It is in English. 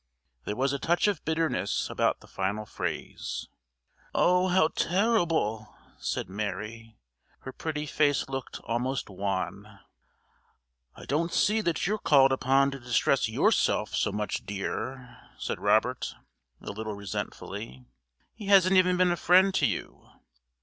There was a touch of bitterness about the final phrase. "Oh, how terrible!" said Mary. Her pretty face looked almost wan. "I don't see that you're called upon to distress yourself so much, dear," said Robert, a little resentfully. "He hasn't even been a friend to you."